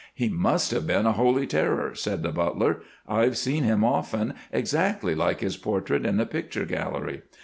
"He must have been a holy terror," said the butler. "I've seen him often, exactly like his portrait in the picture gallery.